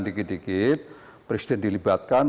sedikit sedikit presiden dilibatkan